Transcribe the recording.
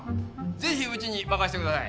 ぜひうちに任せて下さい！